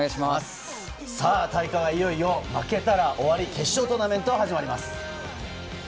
大会はいよいよ負けたら終わりの決勝トーナメントが始まります。